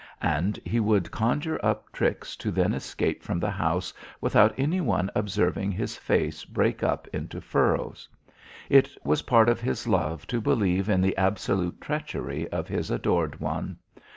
And he would conjure up tricks to then escape from the house without any one observing his face break up into furrows. It was part of his love to believe in the absolute treachery of his adored one.